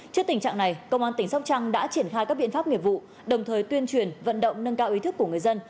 trước tình trạng này công an tỉnh sóc trăng đã triển khai các biện pháp nghiệp vụ đồng thời tuyên truyền vận động nâng cao ý thức của người dân